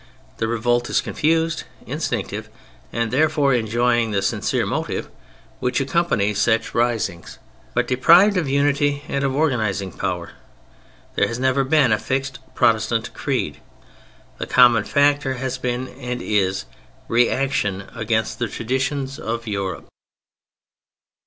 The revolt is confused, instinctive, and therefore enjoying the sincere motive which accompanies such risings, but deprived of unity and of organizing power. There has never been a fixed Protestant creed. The common factor has been, and is, reaction against the traditions of Europe.